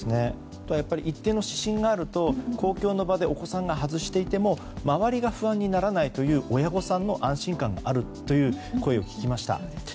一定の指針があると公共の場でお子さんが外していても周りが不安にならないという親御さんの安心感もあるという声を聞きました。